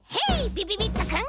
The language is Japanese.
びびびっとくん！